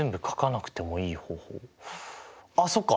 あっそうか！